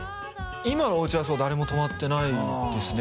今のおうちは誰も泊まってないですね